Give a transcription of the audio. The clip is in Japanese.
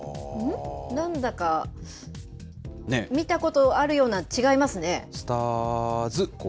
なんだか見たことあるような、違いますね？